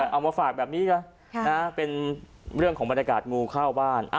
เอามาฝากแบบนี้กันเป็นเรื่องของบรรยากาศงูเข้าบ้าน